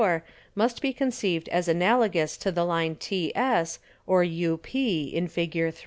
_ must be conceived as Analogous to the Line TS or UP in _Fig.